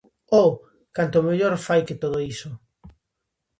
Oh, canto mellor fai que todo iso!